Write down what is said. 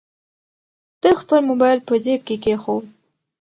ده خپل موبایل په جیب کې کېښود.